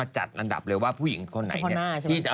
จัดอันดับเลยว่าผู้หญิงคนไหนเนี่ย